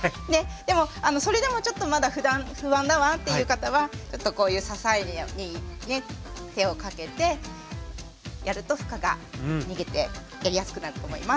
でもそれでもちょっとまだ不安だわっていう方はちょっとこういう支えにね手をかけてやると負荷が逃げてやりやすくなると思います。